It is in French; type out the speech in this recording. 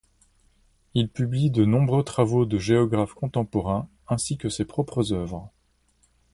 Il publie de nombreux travaux de géographes contemporains ainsi que ses propres œuvres.